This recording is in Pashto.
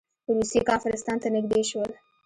روسیې کافرستان ته نږدې شول.